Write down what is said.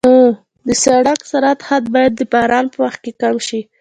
د سړک سرعت حد باید د باران په وخت کم شي.